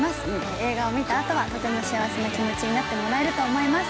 映画を見た後はとても幸せな気持ちになってもらえると思います。